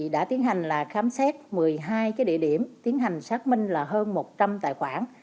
đã tiến hành khám xét một mươi hai địa điểm tiến hành xác minh hơn một trăm linh tài khoản